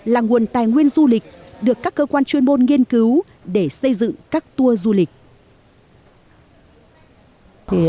là nguồn tài nguyên du lịch được các cơ quan chuyên môn nghiên cứu để xây dựng các tour du lịch